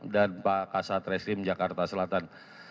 dan pak kasatreslim jakarta selatan